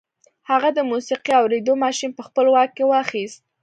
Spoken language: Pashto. هغه د موسیقي اورېدو ماشين په خپل واک کې واخیست